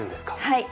はい。